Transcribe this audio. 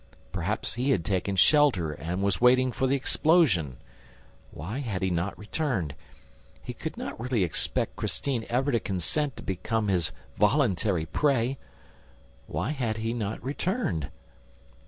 Perhaps he had taken shelter and was waiting for the explosion! ... Why had he not returned? ... He could not really expect Christine ever to consent to become his voluntary prey! ... Why had he not returned?